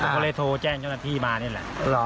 ผมก็เลยโทรแจ้งเจ้าหน้าที่มานี่แหละ